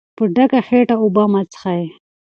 په ډکه خېټه اوبه مه څښئ.